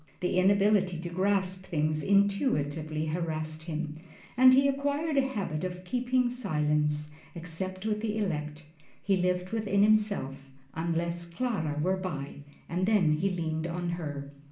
The inability to grasp things intuitively harassed him, and he acquired a habit of keeping silence, except with the elect. He lived within himself, unless Clara were by, and then he leaned on her.